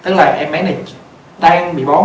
tức là em bé này đang bị bón